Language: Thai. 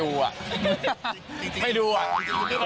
กรูทำไม่ถึงแล้ว